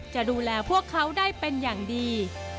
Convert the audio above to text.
จะดูแลพวกเขาได้เป็นอย่างดี